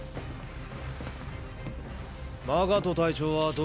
マガト隊長はどこに？